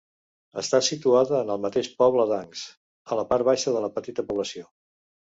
Està situada en el mateix poble d'Ancs, a la part baixa de la petita població.